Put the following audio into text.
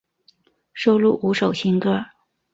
收录五首新歌。